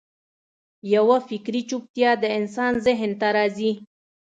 یوه فکري چوپتیا د انسان ذهن ته راځي.